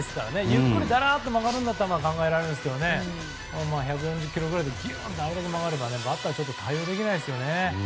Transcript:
ゆっくり、だらっと曲がるのは考えられますけど１４０キロぐらいでぎゅーんと曲がれば、バッターは対応できないですよね。